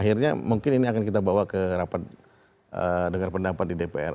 akhirnya mungkin ini akan kita bawa ke rapat dengar pendapat di dpr